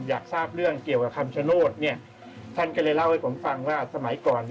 อยากทราบเรื่องเกี่ยวกับคำชโนธท่านก็เลยเล่าให้ผมฟังว่าสมัยก่อน